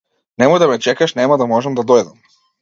Немој да ме чекаш нема да можам да дојдам.